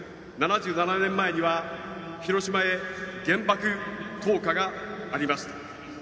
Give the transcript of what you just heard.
７７年前には広島へ原爆投下がありました。